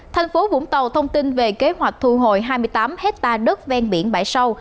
thành phố vũng tàu thông tin về kế hoạch thu hồi hai mươi tám hectare đất ven biển bãi sâu